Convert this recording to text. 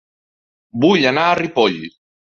Vull anar a Ripoll